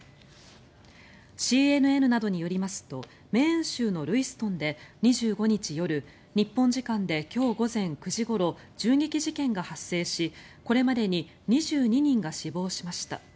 ＣＮＮなどによりますとメーン州のルイストンで２５日夜日本時間で今日午前９時ごろ銃撃事件が発生しこれまでに２２人が死亡しました。